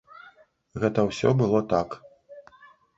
Гэта ўсё было так.